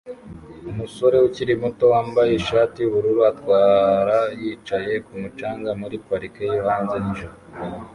Umusore ukiri muto wambaye ishati yubururu atwara yicaye kumucanga muri parike yo hanze nijoro